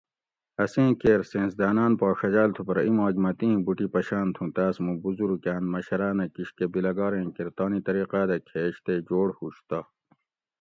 اسیں کیر سایٔنسداۤن پا ڛجاۤل تھو پرہ ایماک مہ تیں بوٹی پشاۤن تھوں تاۤس موں بزروکاۤن مشراۤنہ کشکہ بیلگاریں کیر تانی طریقاۤ دہ کھیش تے جوڑ ھوش تہ